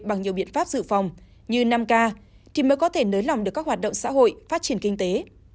bằng nhiều biện pháp dự phòng như năm k thì mới có thể nới lỏng được các hoạt động xã hội phát triển kinh tế